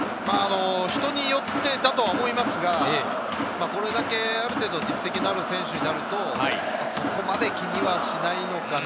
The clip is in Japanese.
人によってだとは思いますが、これだけある程度実績のある選手になると、そこまで気にはしないのかな。